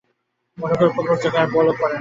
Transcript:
অনুগ্রহপ্রার্থীর চোখে আর পলক পড়ে না।